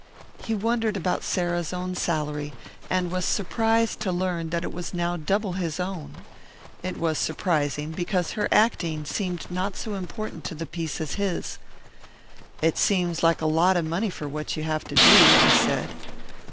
He wondered about Sarah's own salary, and was surprised to learn that it was now double his own. It was surprising, because her acting seemed not so important to the piece as his. "It seems like a lot of money for what you have to do," he said.